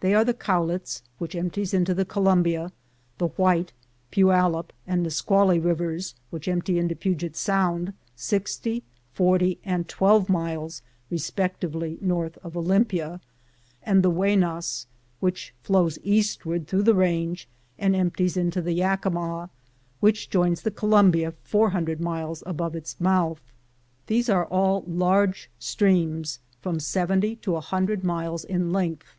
They are the Cowlitz, which empties into the Columbia ; the White, Puyallup, and Nis qually rivers, which empty into Puget ISound sixty, forty, and twelve miles respectively north of Olympia ; and the Wenass, which flows eastward through the range and empties into the Yakima, which joins the Columbia four hundred miles above its mouth. These are all large streams from seventy to a hundred miles in length.